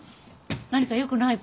何かよくないこと？